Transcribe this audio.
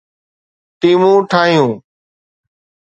ٽيمون ٺاهيون